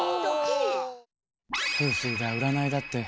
風水だ占いだって。